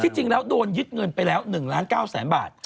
จริงแล้วโดนยึดเงินไปแล้ว๑ล้าน๙แสนบาท